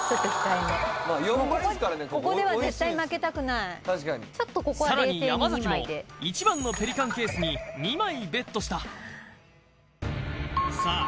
ここでは絶対負けたくないさらに山崎も１番のペリカンケースに２枚ＢＥＴしたさあ